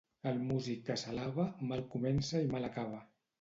El músic que s'alaba, mal comença i mal acaba.